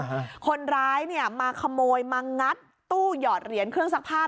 ฮะคนร้ายเนี่ยมาขโมยมางัดตู้หยอดเหรียญเครื่องซักผ้า